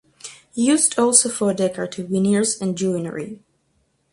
Used also for decorative veneers and joinery.